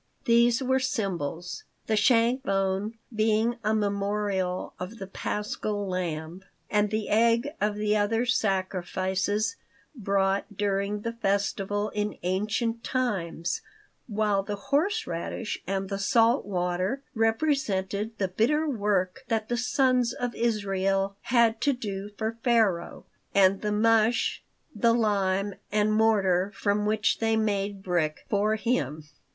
These were symbols, the shank bone being a memorial of the pascal lamb, and the egg of the other sacrifices brought during the festival in ancient times, while the horseradish and the salt water represented the bitter work that the Sons of Israel had to do for Pharaoh, and the mush the lime and mortar from which they made brick for him.